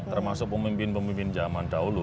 termasuk pemimpin pemimpin zaman dahulu